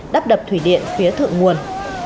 đắp đập thủy điện phía thượng nguồn